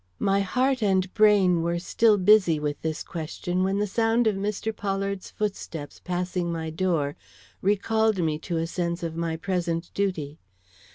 My heart and brain were still busy with this question when the sound of Mr. Pollard's footsteps passing my door recalled me to a sense of my present duty.